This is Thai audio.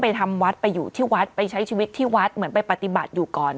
ทำวัดไปอยู่ที่วัดไปใช้ชีวิตที่วัดเหมือนไปปฏิบัติอยู่ก่อน